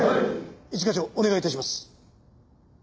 一課長お願い致します。